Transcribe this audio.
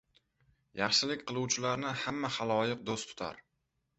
• Yaxshilik qiluvchilarni hamma xaloyiq do‘st tutar.